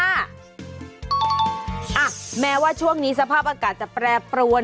อ่ะแม้ว่าช่วงนี้สภาพอากาศจะแปรปรวน